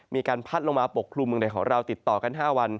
มีการพัดลงมาปกครุมเมืองใดของเราติดต่อกัน๕วัน